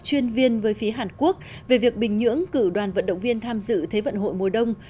chuyên viên với phía hàn quốc về việc bình nhưỡng cử đoàn vận động viên tham dự thế vận hội mùa đông